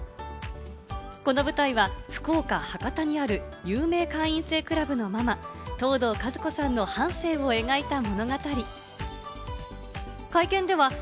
この舞台は福岡・博多にある有名会員制クラブのママ・藤堂和子さ部屋干しクサくなりそう。